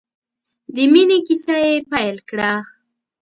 د مینې کیسه یې پیل کړه.